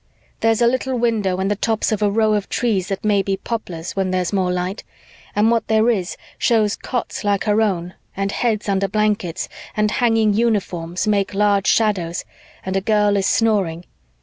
"There's a little window and the tops of a row of trees that may be poplars when there's more light, and what there is shows cots like her own and heads under blankets, and hanging uniforms make large shadows and a girl is snoring.